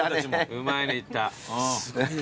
うまいの言った。